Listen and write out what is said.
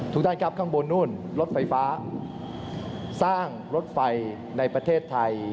ทุกท่านครับข้างบนนู่นรถไฟฟ้าสร้างรถไฟในประเทศไทย